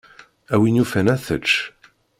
A win yufan ad tečč.